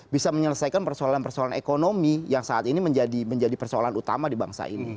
bisa menyelesaikan persoalan persoalan ekonomi yang saat ini menjadi persoalan utama di bangsa ini